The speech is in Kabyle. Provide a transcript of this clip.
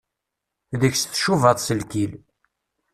Deg-s tcubaḍ s lkil.